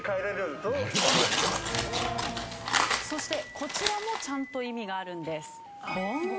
そしてこちらもちゃんと意味があるんです。